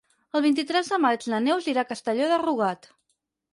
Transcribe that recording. El vint-i-tres de maig na Neus irà a Castelló de Rugat.